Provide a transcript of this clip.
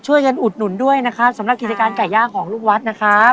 อุดหนุนด้วยนะครับสำหรับกิจการไก่ย่างของลูกวัดนะครับ